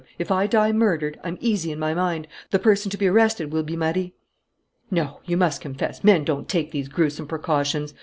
If I die murdered, I'm easy in my mind: the person to be arrested will be Marie!' "No, you must confess, men don't take these gruesome precautions.